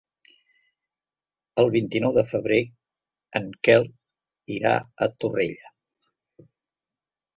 El vint-i-nou de febrer en Quel irà a Torrella.